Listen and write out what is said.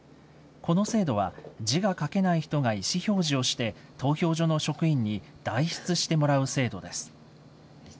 この制度は字が書けない人が意思表示をして、投票所の職員に代筆してもらう制度です。